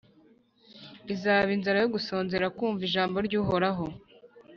izaba inzara yo gusonzera kumva ijambo ry’uhoraho.